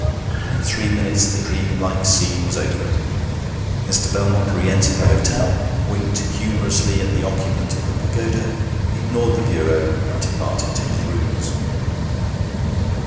In three minutes the dream like scene was over. Mr. Belmont re entered the hotel, winked humorously at the occupant of the pagoda, ignored the bureau, and departed to his rooms.